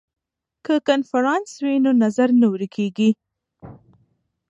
که کنفرانس وي نو نظر نه ورک کیږي.